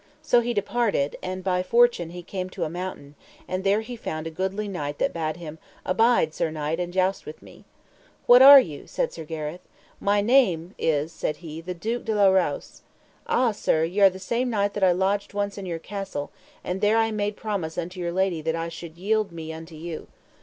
So he departed, and by fortune he came to a mountain, and there he found a goodly knight that bade him, Abide sir knight, and joust with me. What are ye? said Sir Gareth. My name is, said he, the Duke de la Rowse. Ah sir, ye are the same knight that I lodged once in your castle; and there I made promise unto your lady that I should yield me unto you.